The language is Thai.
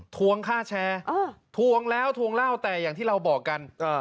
ทวงค่าแชร์ทวงแล้วทวงเล่าแต่อย่างที่เราบอกกัน